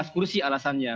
dua belas kursi alasannya